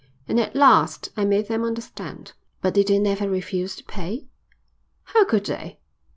And at last I made them understand." "But did they never refuse to pay?" "How could they?"